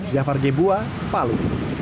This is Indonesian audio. jafar gebuah palu